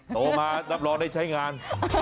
โตมารอได้ใช้งาน